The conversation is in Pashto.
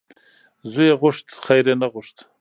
ـ زوی یې غوښت خیر یې نه غوښت .